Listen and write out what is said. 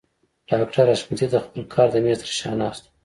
ډاکټر حشمتي د خپل کار د مېز تر شا ناست و.